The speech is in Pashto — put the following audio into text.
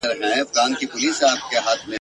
راست اوسه په لویه لار کي ناست اوسه !.